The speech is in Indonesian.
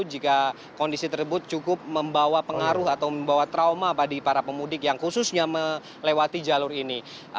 jika kondisi tersebut cukup membawa pengaruh atau membawa trauma bagi para pemudik yang khususnya melewati jalur ini